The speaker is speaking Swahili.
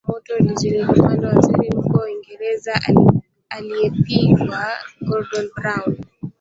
a kati ya changamoto alizopata waziri mkuu wa uingereza aliyepita gordon brown